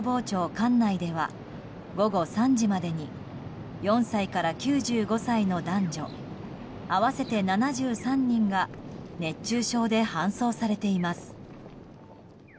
管内では午後３時までに４歳から９５歳の男女合わせて７３人が熱中症で搬送されています。